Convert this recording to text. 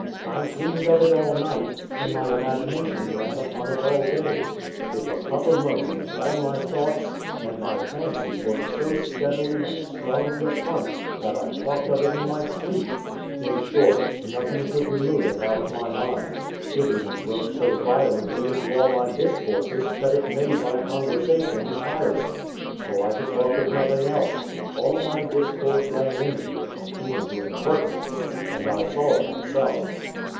I dreamed of it all night, and my imagination ran upon it all day: it was uppermost in all my thoughts, and my fancy worked so steadily and strongly upon it that I talked of it in my sleep; in short, nothing could remove it out of my mind: it even broke so violently into all my discourses that it made my conversation tiresome, for I could talk of nothing else; all my discourse ran into it, even to impertinence; and I saw it myself.